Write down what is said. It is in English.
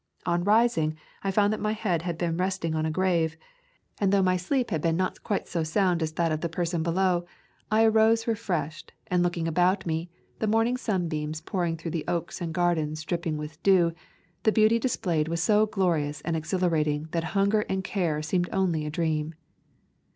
On rising I found that my head had been resting on a grave, and though my sleep had not been quite so sound as that [75 ] A Thousand Mile W alk of the person below, I arose refreshed, and look ing about me, the morning sunbeams pouring through the oaks and gardens dripping with dew, the beauty displayed was so glorious and exhilarating that hunger and care seemed only a dream.